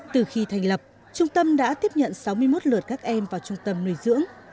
từ khi thành lập trung tâm đã tiếp nhận sáu mươi một lượt các em vào trung tâm nuôi dưỡng